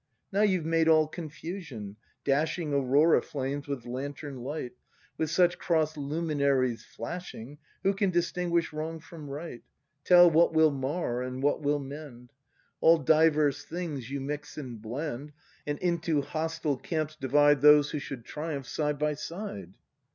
Now you've made all confusion, dashing Aurora flames with lantern light; With such cross luminaries flashinir. Who can distinguish wrong from right, Tell what will mar, and what will mend? All diverse things you mix and blend, And into hostile camps divide Those who should triumph side by side.